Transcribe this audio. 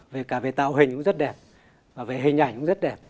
về cả về tạo hình cũng rất đẹp và về hình ảnh cũng rất đẹp